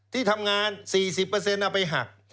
ที่ทำงาน๔๐เอาไปหัก